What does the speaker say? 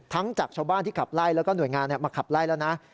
จากชาวบ้านที่ขับไล่แล้วก็หน่วยงานมาขับไล่แล้วนะ